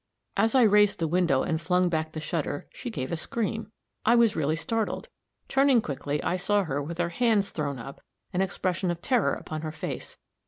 As I raised the window, and flung back the shutter, she gave a scream. I was really startled. Turning quickly, I saw her with her hands thrown up, an expression of terror upon her face.